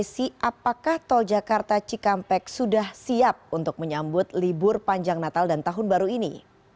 apakah tol jakarta cikampek sudah siap untuk menyambut libur panjang natal dan tahun baru ini